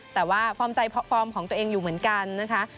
แต่ว่าฟอร์มของตัวเองอยู่เหมือนกันนะคะ